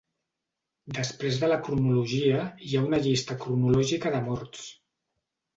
Després de la cronologia hi ha una llista cronològica de morts.